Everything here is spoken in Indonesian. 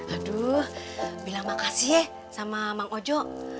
aduh bilang makasih ya sama mang ojo